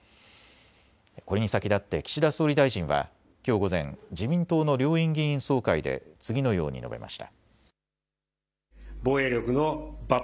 これに先立って岸田総理大臣はきょう午前、自民党の両院議員総会で次のように述べました。